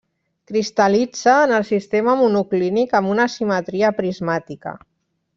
Cristal·litza en el sistema monoclínic amb una simetria prismàtica.